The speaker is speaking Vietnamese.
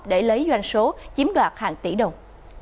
để lấy doanh số chiếm đoạt hàng tỷ đồng